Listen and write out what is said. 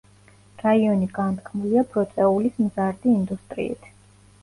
რაიონი განთქმულია ბროწეულის მზარდი ინდუსტრიით.